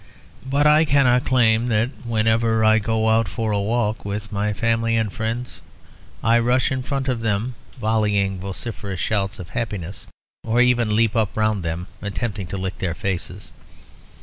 But I cannot claim that whenever I go out for a walk with my family and friends, I rush in front of them volleying vociferous shouts of happiness; or even leap up round them attempting to lick their faces.